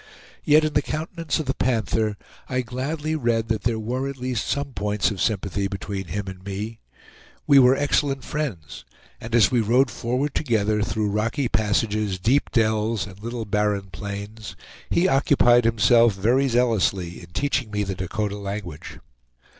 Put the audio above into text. Yet, in the countenance of the Panther, I gladly read that there were at least some points of sympathy between him and me. We were excellent friends, and as we rode forward together through rocky passages, deep dells, and little barren plains, he occupied himself very zealously in teaching me the Dakota language.